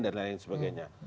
dan lain sebagainya